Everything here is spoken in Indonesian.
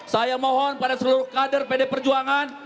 saya mohon pada seluruh kader pd perjuangan